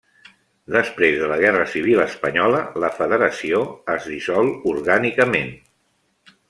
Després de la Guerra Civil Espanyola, la Federació es dissol orgànicament.